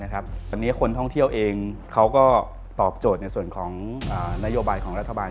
ตอนนี้คนท่องเที่ยวเองเขาก็ตอบโจทย์ในส่วนของนโยบายของรัฐบาล